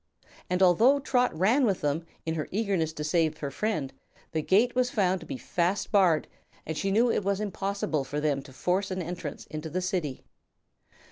And, although Trot ran with them, in her eagerness to save her friend, the gate was found to be fast barred and she knew it was impossible for them to force an entrance into the City.